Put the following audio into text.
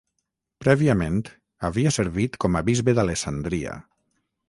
Prèviament havia servit com a bisbe d'Alessandria.